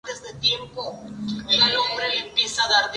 Era una extraordinaria belleza.